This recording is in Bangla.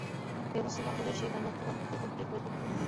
কেউ মুসলমান হলেই সে তার রক্ত পান করতে উদগ্রীব হয়ে পড়ত।